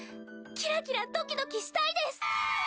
キラキラ、ドキドキしたいです！